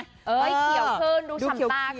เอ้ยเขียวขึ้นดูฉ่ำตาขึ้น